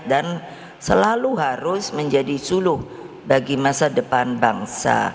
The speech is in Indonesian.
dan selalu harus menjadi suluh bagi masa depan bangsa